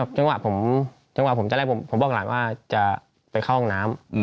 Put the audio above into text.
จังหวะผมจะแรกบอกอาหารว่าจะไปเข้าห้องน้ำ